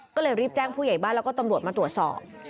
ก็เลยรีบแจ้งผู้ใหญ่บ้านแล้วก็ตำรวจมาตรวจสอบ